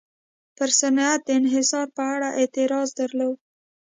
پر صنعت د انحصار په اړه اعتراض درلود.